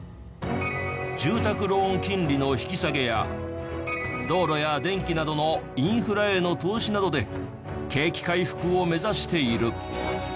住宅ローン金利の引き下げや道路や電気などのインフラへの投資などで景気回復を目指している。